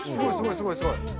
すごいすごい。